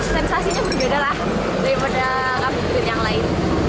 sensasinya berbeda lah daripada kabupaten yang lain